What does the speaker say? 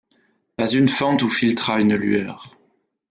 Pas une fente où filtrât une lueur.